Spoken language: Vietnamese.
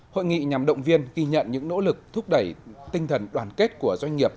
hội nghị nhằm động viên ghi nhận những nỗ lực thúc đẩy tinh thần đoàn kết của doanh nghiệp